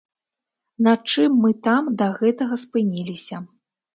На чым мы там да гэтага спыніліся?